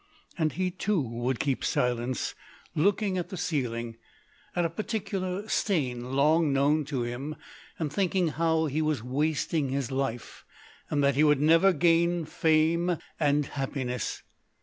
And he too would keep silence, looking at the ceiling, at a particular stain long known to him, and thinking how he was wasting his life, and that he would never gain fame and happiness.